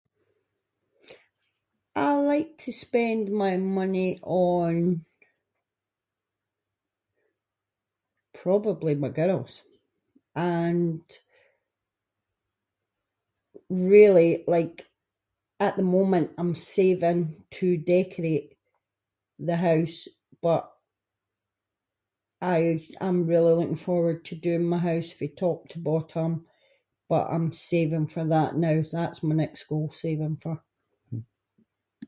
I like to spend my money on- probably my girls, and really like at the moment, I’m saving to decorate the house, but I am really looking forward to doing my house fae top to bottom, but I’m saving for that now, that’s my next goal saving for.